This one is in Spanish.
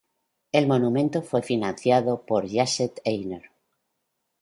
El monumento fue financiado por Jacek Eisner.